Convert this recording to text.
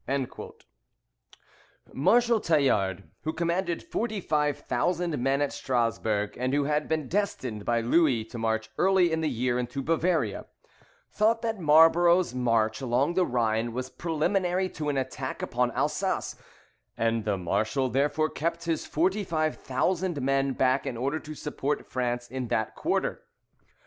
SIECLE DE LOUIS XIV.] Marshal Tallard, who commanded forty five thousand men at Strasburg, and who had been destined by Louis to march early in the year into Bavaria, thought that Marlborough's march along the Rhine was preliminary to an attack upon Alsace; and the marshal therefore kept his forty five thousand men back in order to support France in that quarter.